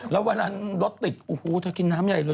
และเวลาน้ำร้อยติดว่าเธอกินน้ำใหญ่แล้ว